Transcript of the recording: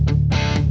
aku mau ke sana